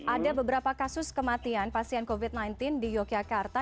ada beberapa kasus kematian pasien covid sembilan belas di yogyakarta